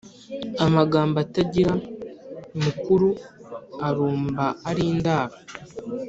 Amagambo atagira mukuru arumba ari indaro.